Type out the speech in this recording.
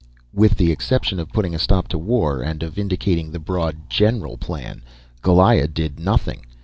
With the exception of putting a stop to war, and of indicating the broad general plan, Goliah did nothing.